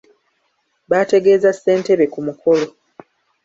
Baategeeza ssentebe ku mukolo.